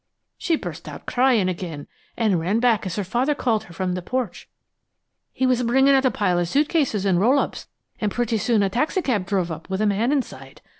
"She burst out cryin' again an' ran back as her father called her from the porch. He was bringin' out a pile of suit cases and roll ups, and pretty soon a taxicab drove up with a man inside.